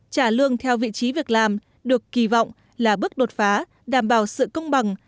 trả lương theo vị trí việc làm được kỳ vọng là bước đột phá đảm bảo sự công bằng